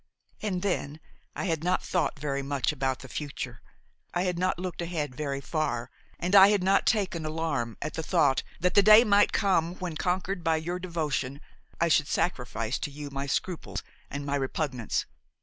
And then I had not thought very much about the future; I had not looked ahead very far, and I had not taken alarm at the thought that the day might come when, conquered by your devotion, I should sacrifice to you my scruples and my repugnance.